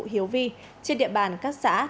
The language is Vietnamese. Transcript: hiếu vi trên địa bàn các xã